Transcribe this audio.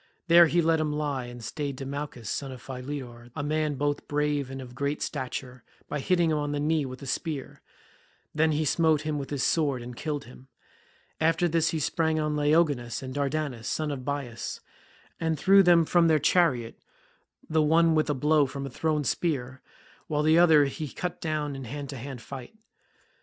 There he let him lie and stayed Demouchus son of Philetor, a man both brave and of great stature, by hitting him on the knee with a spear; then he smote him with his sword and killed him. After this he sprang on Laogonus and Dardanus, sons of Bias, and threw them from their chariot, the one with a blow from a thrown spear, while the other he cut down in hand to hand fight.